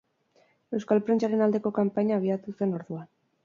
Euskal prentsaren aldeko kanpaina abiatu zen orduan.